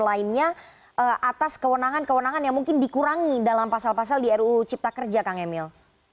lainnya atas kewenangan kewenangan yang mungkin dikurangi dalam pasal pasal di ruu cipta kerja kang emil